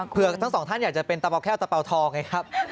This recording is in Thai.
เพื่อทั้งสองท่านอยากจะเป็นตะเป้าตะเป๋าทองไงครับ